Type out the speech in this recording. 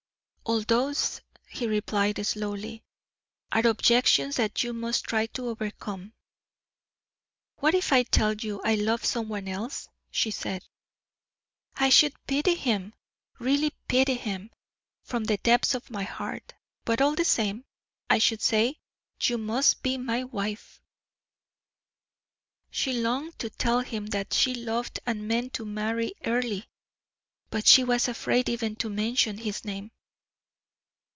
"All those," he replied, slowly, "are objections that you must try to overcome." "What if I tell you I love some one else?" she said. "I should pity him, really pity him, from the depths of my heart; but, all the same, I should say you must be my wife!" She longed to tell him that she loved and meant to marry Earle, but she was afraid even to mention his name.